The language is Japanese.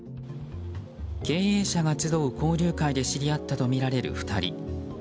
経営者が集う交流会で知り合ったとみられる２人。